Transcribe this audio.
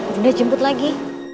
bunda jemput lagi